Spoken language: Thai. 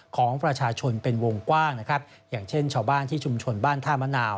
ของประชาชนเป็นวงกว้างนะครับอย่างเช่นชาวบ้านที่ชุมชนบ้านท่ามะนาว